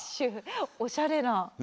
おしゃれ。